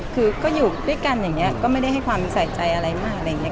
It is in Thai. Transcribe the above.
ก็อยู่ด้วยกันอย่างนี้ไม่ได้ให้ความใสงใจอะไรมาก